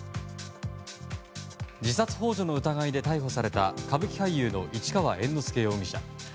自殺幇助の疑いで逮捕された歌舞伎俳優の市川猿之助容疑者。